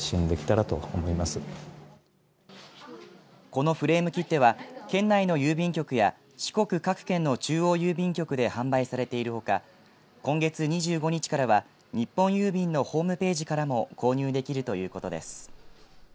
このフレーム切手は県内の郵便局や四国各県の中央郵便局で販売されているほか今月２５日からは日本郵便のホームページからも購入できるということです。